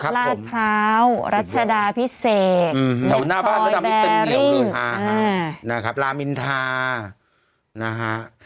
ลาดพร้าวรัชดาพิเศษหนักซอยแบร์ริ่งนะครับลามินทานะฮะ